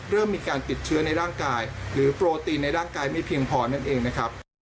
เริ่มมีการติดเชื้อในร่างกายหรือโปรตีนในร่างกายไม่เพียงพอนั่นเองนะครับ